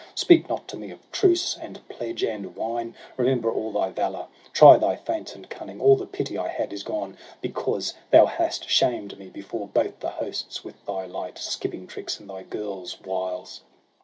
Speak not to me of truce, and pledge, and wine ! Remember all thy valour; try thy feints And cunning ! all the pity I had is gone ; Because thou hast shamed me before both the hosts With thy light skipping tricks, and thy girl's wiles.'